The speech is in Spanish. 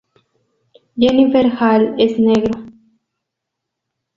Jennifer Hale es Negro.